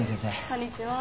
こんにちは。